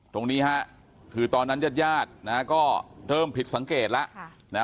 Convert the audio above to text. ตรงนี้ฮะคือตอนนั้นญาติญาตินะฮะก็เริ่มผิดสังเกตแล้ว